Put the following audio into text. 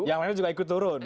yang lainnya juga ikut turun